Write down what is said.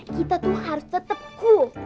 kita tuh harus tetap cool